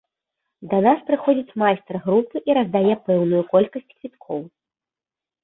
Да нас прыходзіць майстар групы і раздае пэўную колькасць квіткоў.